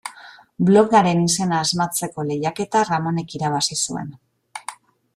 Blogaren izena asmatzeko lehiaketa Ramonek irabazi zuen.